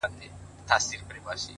زما د زنده گۍ له هر يو درده سره مله وه؛